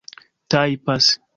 tajpas